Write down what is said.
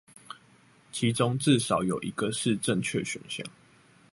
其中至少有一個是正確選項